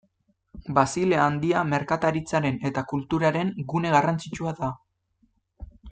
Basilea Handia merkataritzaren eta kulturaren gune garrantzitsua da.